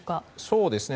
そうですね。